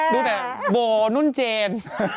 ดูแต่โบนุ่นเจน